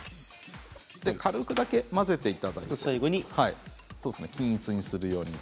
軽く混ぜていただいて最後に均一にするように。